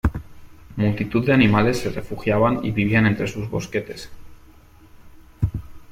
Multitud de animales se refugiaban y vivían entre sus bosquetes.